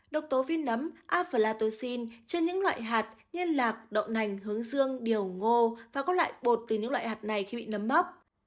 nhân lạc đậu nành hướng dương điều ngô và có loại bột từ những loại hạt này khi bị nấm mốc